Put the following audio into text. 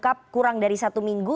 ungkap kurang dari satu minggu